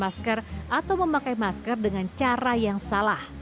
masker atau memakai masker dengan cara yang salah